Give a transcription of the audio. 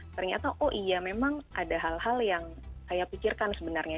ternyata oh iya memang ada hal hal yang saya pikirkan sebenarnya